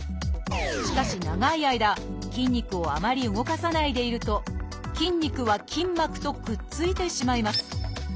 しかし長い間筋肉をあまり動かさないでいると筋肉は筋膜とくっついてしまいます。